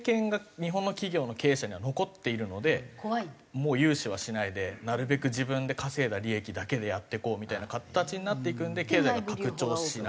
もう融資はしないでなるべく自分で稼いだ利益だけでやっていこうみたいな形になっていくんで経済が拡張しない。